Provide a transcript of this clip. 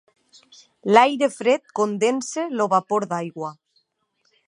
L'aire fred condensa el vapor d'aigua.